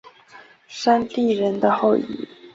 山地人的后裔。